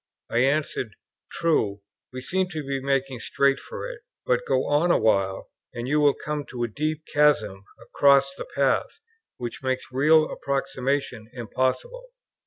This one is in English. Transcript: I answered, "True, we seem to be making straight for it; but go on awhile, and you will come to a deep chasm across the path, which makes real approximation impossible."